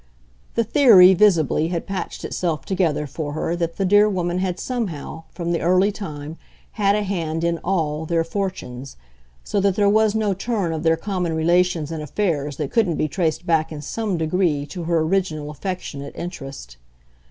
The theory, visibly, had patched itself together for her that the dear woman had somehow, from the early time, had a hand in ALL their fortunes, so that there was no turn of their common relations and affairs that couldn't be traced back in some degree to her original affectionate interest.